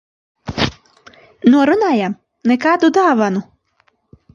Norunājām - nekādu dāvanu.